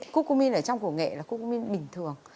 cucumin ở trong củ nghệ là cucumin bình thường